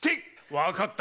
わかった！